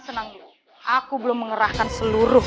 senang loh aku belum mengerahkan seluruh